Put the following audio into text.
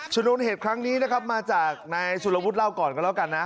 ชนวนเหตุครั้งนี้นะครับมาจากนายสุรวุฒิเล่าก่อนกันแล้วกันนะ